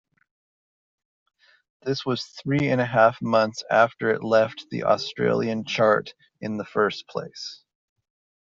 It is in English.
This was three-and-a-half months after it left the Australian Chart in the first place.